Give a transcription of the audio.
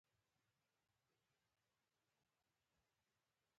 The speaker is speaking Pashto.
بېنډۍ له سرې مرچو سره خاص خوند لري